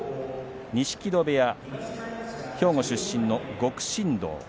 錦戸部屋、兵庫出身の極芯道。